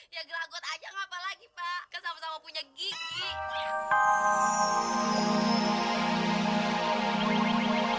ya geragot aja nggak apa lagi pak kan sama sama punya gigi